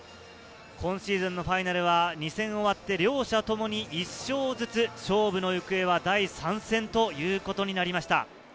今シーズンのファイナルは２戦終わって、両者ともに１勝ずつ、勝負の行方は第３戦ということになりました。